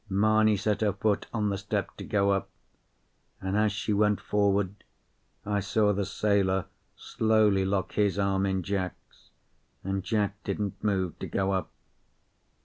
Mamie set her foot on the step to go up, and as she went forward, I saw the sailor slowly lock his arm in Jack's, and Jack didn't move to go up.